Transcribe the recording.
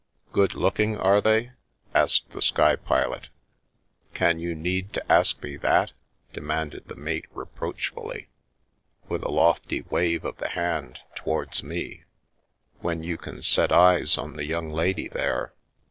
Good looking, are they?" asked the sky pilot. Can you need to ask me that? " demanded the mate reproachfully, with a lofty wave of the hand towards me, " when you can set eyes on the young lady there?